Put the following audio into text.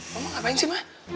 mama apaan sih ma